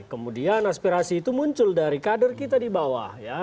kemudian aspirasi itu muncul dari kader kita di bawah ya